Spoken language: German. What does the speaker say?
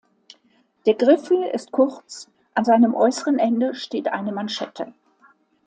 Der Griffel ist kurz, an seinem äußeren Ende steht eine Manschette.